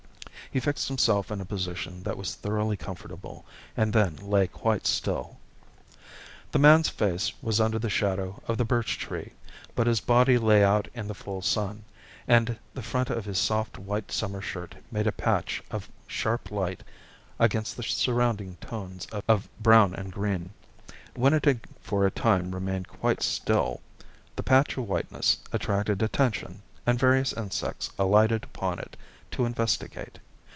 He fixed himself in a position that was thoroughly comfortable, and then lay quite still. The man's face was under the shadow of the birch tree, but his body lay out in the full sun, and the front of his soft white summer shirt made a patch of sharp light against the surrounding tones of brown and green. When it had for a time remained quite still, the patch of whiteness attracted attention, and various insects alighted upon it to investigate.